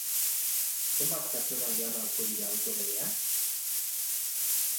Zenbat pertsona joan ahalko dira auto berean?